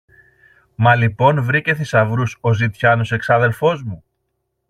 Μα λοιπόν βρήκε θησαυρούς ο ζητιάνος ο εξάδελφος μου;